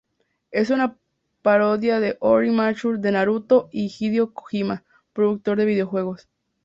Es una parodia de Orochimaru, de Naruto, y Hideo Kojima, productor de videojuegos.